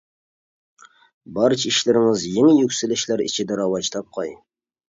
بارچە ئىشلىرىڭىز يېڭى يۈكسىلىشلەر ئىچىدە راۋاج تاپقاي!